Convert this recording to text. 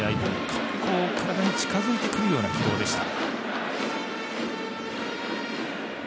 かなり、体に近づいてくるような軌道でした。